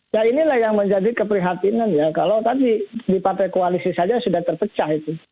ya inilah yang menjadi keprihatinan ya kalau tadi di partai koalisi saja sudah terpecah itu